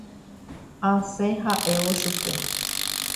Asẽ ha'évo chupe.